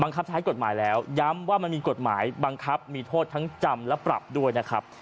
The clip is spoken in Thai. ใช้กฎหมายแล้วย้ำว่ามันมีกฎหมายบังคับมีโทษทั้งจำและปรับด้วยนะครับ